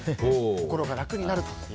心が楽になると。